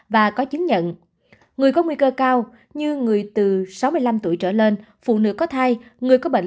và có chứng nhận người có nguy cơ cao như người từ sáu mươi năm tuổi trở lên phụ nữ có thai người có bệnh